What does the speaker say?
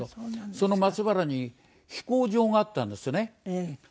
その松原に飛行場があったんですね。